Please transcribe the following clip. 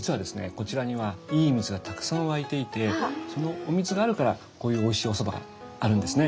こちらにはいい水がたくさん湧いていてそのお水があるからこういうおいしいおそばがあるんですね。